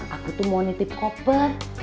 aku tuh mau nitip koper